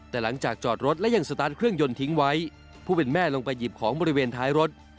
แต่หลังจากจอดรถและยังสตาร์ทเครื่องยนต์ทิ้งไว้ผู้เป็นแม่ลงไปหยิบของบริเวณท้ายรถ